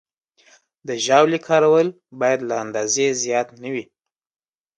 د ژاولې کارول باید له اندازې زیات نه وي.